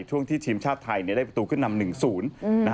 ตรงที่ทีมชาติไทยได้ประตูขึ้นนำ๑ศูนย์